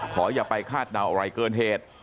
อย่าไปคาดเดาอะไรเกินเหตุ